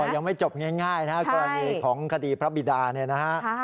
ยังไม่จบง่ายนะกรณีของคติพระวีดานี่นะฮะ